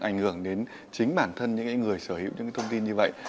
ảnh hưởng đến chính bản thân những người sở hữu những thông tin như vậy